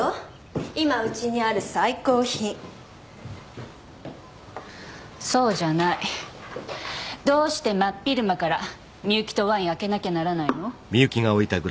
今うちにある最高品そうじゃないどうして真っ昼間から美雪とワイン開けなきゃならないの？